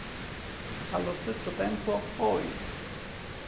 Allo stesso tempo, "Hoy!